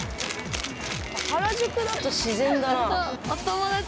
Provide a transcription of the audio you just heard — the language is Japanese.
原宿だと自然だなあ。